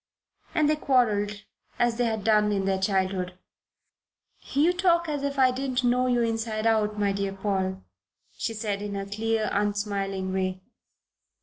and they quarrelled as they had done in their childhood. "You talk as if I didn't know you inside out, my dear Paul," she said in her clear, unsmiling way.